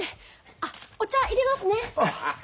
あっお茶いれますね。